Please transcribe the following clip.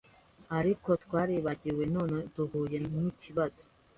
ariko twaribagiwe none duhuye nikibazo.